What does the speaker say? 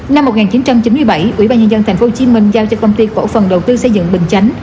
năm một nghìn chín trăm chín mươi bảy ủy ban nhân dân tp hcm giao cho công ty cổ phần đầu tư xây dựng bình chánh